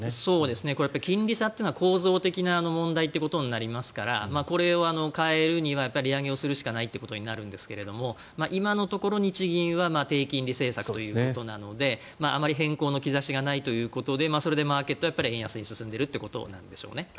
これは金利差というのは構造的な問題ということになりますからこれを変えるには利上げをするしかないってことになるんですが今のところ日銀は低金利政策ということなのであまり変更の兆しがないということでそれでマーケットは円安に進んでいるんでしょうね。